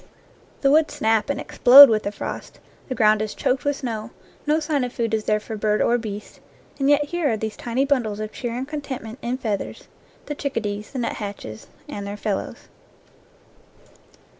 The woods snap and explode with the frost, the ground is choked with snow, no sign of food is there for bird or beast, and yet here are these tiny bundles of cheer and con tentment in feathers the chickadees, the nut hatches, and their fellows.